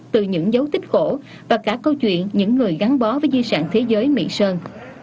từ những dấu tích cổ và cả câu chuyện những người gắn bó với di sản thế giới mỹ sơn